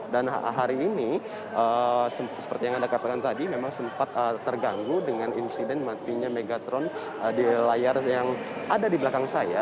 dan hari ini seperti yang anda katakan tadi memang sempat terganggu dengan insiden matinya megatron di layar yang ada di belakang saya